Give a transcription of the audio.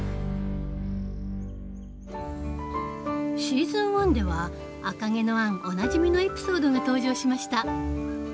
シーズン１では「赤毛のアン」おなじみのエピソードが登場しました。